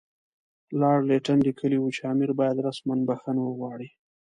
لارډ لیټن لیکلي وو چې امیر باید رسماً بخښنه وغواړي.